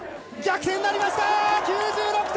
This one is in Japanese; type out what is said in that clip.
逆転になりました。